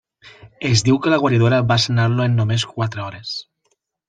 Es diu que la guaridora va sanar-lo en només quatre hores.